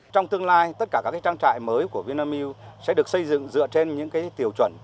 trong tương lai tất cả các trang trại mới của vinamilk sẽ được xây dựng dựa trên những tiêu chuẩn